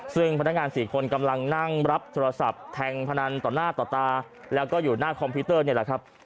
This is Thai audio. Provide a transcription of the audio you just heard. ซึ่งพนักงาน๔คนกำลังนั่งรับโทรศัพท์แทงพนันต่อหน้าต่อตาแล้วก็อยู่หน้าคอมพิวเตอร์นี่แหละครับ